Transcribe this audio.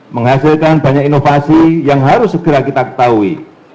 menghasilkan banyak inovasi yang harus segera kita ketahui